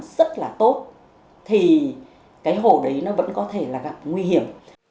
rất là tốt thì cái hồ đấy nó vẫn có thể là gặp nguy hiểm